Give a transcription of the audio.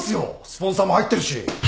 スポンサーも入ってるし。